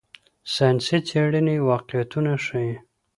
ساینسي څېړنې واقعیتونه ښيي.